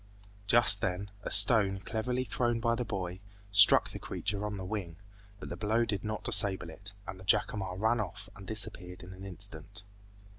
Just then, a stone cleverly thrown by the boy, struck the creature on the wing, but the blow did not disable it, and the jacamar ran off and disappeared in an instant.